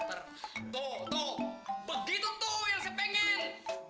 tuh tuh begitu tuh yang saya pengen